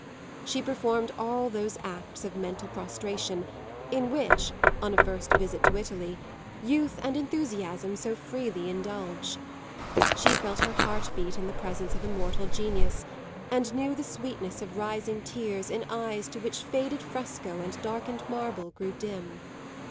She performed all those acts of mental prostration in which, on a first visit to Italy, youth and enthusiasm so freely indulge; she felt her heart beat in the presence of immortal genius and knew the sweetness of rising tears in eyes to which faded fresco and darkened marble grew dim.